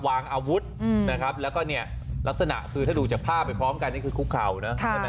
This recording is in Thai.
อาวุธนะครับแล้วก็เนี่ยลักษณะคือถ้าดูจากภาพไปพร้อมกันนี่คือคุกเข่านะ